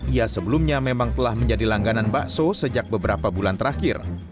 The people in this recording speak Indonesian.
ia sebelumnya memang telah menjadi langganan bakso sejak beberapa bulan terakhir